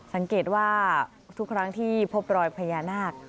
สังเกตว่าทุกครั้งที่พบรอยพญานาค